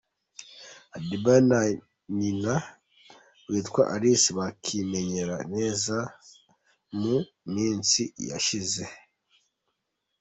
Adebayor na nyina witwa Alice bakimeranye neza mu minsi yashize.